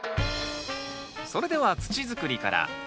それでは土づくりから。